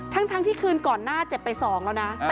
ทั้งทั้งที่คืนก่อนหน้าเจ็บไปสองแล้วน่ะอ่า